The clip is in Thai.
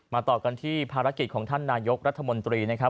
ต่อกันที่ภารกิจของท่านนายกรัฐมนตรีนะครับ